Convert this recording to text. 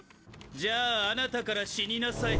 じゃあ貴方から死になさい。